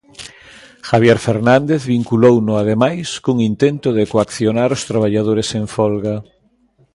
Javier Fernández vinculouno, ademais, cun intento de "coaccionar" os traballadores en folga.